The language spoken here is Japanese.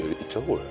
これ。